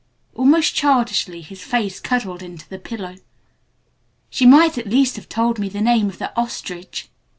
Almost childishly his face cuddled into the pillow. "She might at least have told me the name of the ostrich!"